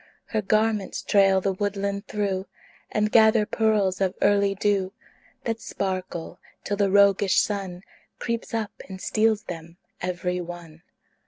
Her garments trail the woodland through, And gather pearls of early dew That sparkle till the roguish Sun Creeps up and steals them every one.